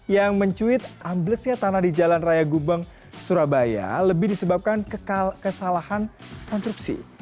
yang mencuit amblesnya tanah di jalan raya gubeng surabaya lebih disebabkan kesalahan konstruksi